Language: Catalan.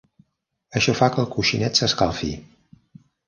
Això fa que el coixinet s'escalfi.